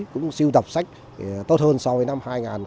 cũng siêu đọc sách tốt hơn so với năm hai nghìn một mươi năm